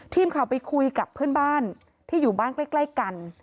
ทีมข่าวไปคุยกับเพื่อนบ้านที่อยู่บ้านใกล้กัน